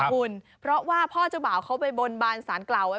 คุณเพราะว่าพ่อเจ้าบ่าวเขาไปบนบานสารกล่าวไว้